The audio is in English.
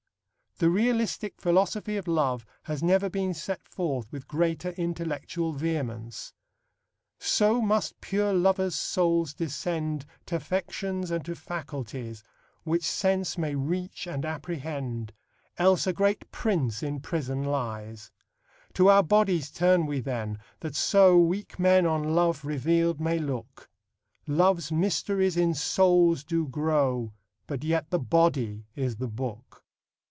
The realistic philosophy of love has never been set forth with greater intellectual vehemence: So must pure lovers' souls descend T' affections and to faculties, Which sense may reach and apprehend, Else a great Prince in prison lies. To our bodies turn we then, that so Weak men on love reveal'd may look; Love's mysteries in souls do grow But yet the body is the book.